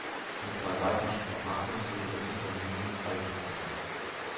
In zwei weiteren Verfahren wurde das Unternehmen freigesprochen.